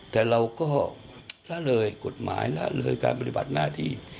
แต่เราก็ละเลยกฎหมายละเลยการปฏิบัติหน้าที่